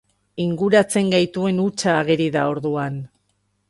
Inguratzen gaituen hutsa ageri da orduan...